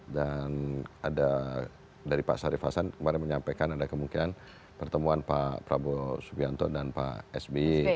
dan ada dari pak sarif hasan kemarin menyampaikan ada kemungkinan pertemuan pak prabowo subianto dan pak sb